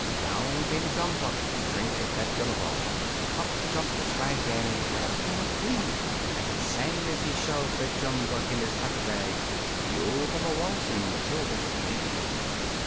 Down came a jumbuck to drink at the water hole, Up jumped the swagman and grabbed him with glee; And he sang as he stowed him away in his tucker bag, You'll come a waltzing Matilda with me.'